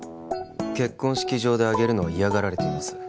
結婚式場で挙げるのは嫌がられています